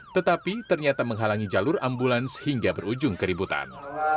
tetapi ternyata menghalangi jalur ambulans hingga berujung keributan